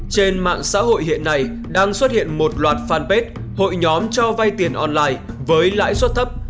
trên mạng xã hội hiện nay đang xuất hiện một loạt fanpage hội nhóm cho vay tiền online với lãi suất thấp